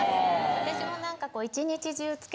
私も何か。